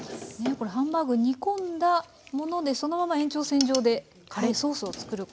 これハンバーグ煮込んだものでそのまま延長線上でカレーソースを作ることができる。